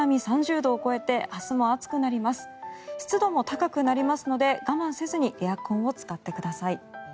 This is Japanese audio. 湿度も高くなりますので我慢せずにエアコンを使ってください。